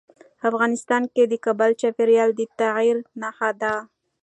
افغانستان کې کابل د چاپېریال د تغیر نښه ده.